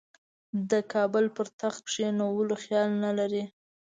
د کابل پر تخت کښېنولو خیال نه لري.